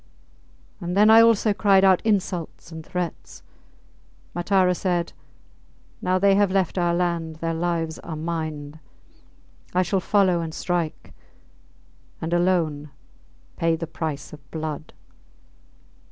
And then I also cried out insults and threats. Matara said, Now they have left our land their lives are mind. I shall follow and strike and, alone, pay the price of blood.